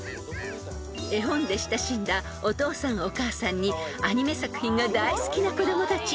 ［絵本で親しんだお父さんお母さんにアニメ作品が大好きな子供たち］